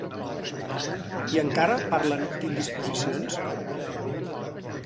I encara parlen d'indisposicions?